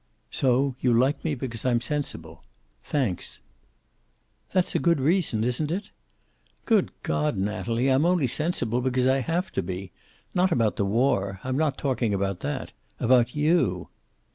"So you like me because I'm sensible! Thanks." "That's a good reason, isn't it?" "Good God, Natalie, I'm only sensible because I have to be. Not about the war. I'm not talking about that. About you."